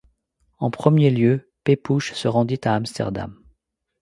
En premier lieu, Pepusch se rendit à Amsterdam.